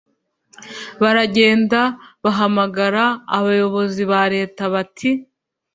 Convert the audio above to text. baragenda bahamagara abayobozi ba Leta bati